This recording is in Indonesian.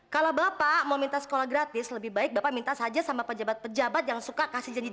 kalau bapak mau minta sekolah gratis lebih baik bapak minta saja sama pejabat pejabat yang suka kasih janji